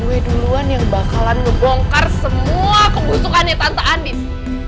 gue duluan yang bakalan ngebongkar semua kebusukannya tante andis